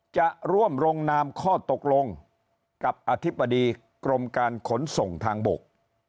จะร่วมลงนามข้อตกลงกับอธิบดีกรมการขนส่งทางบก